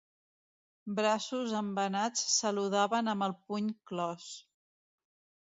Braços embenats saludaven amb el puny clos